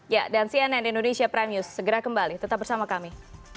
ya dan cnn indonesia prime news segera kembali tetap bersama kami